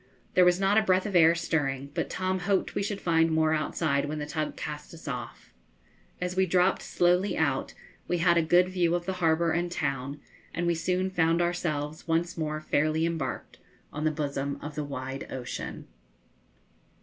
There was not a breath of air stirring, but Tom hoped we should find more outside when the tug cast us off. As we dropped slowly out, we had a good view of the harbour and town; and we soon found ourselves once more fairly embarked on the bosom of the wide ocean.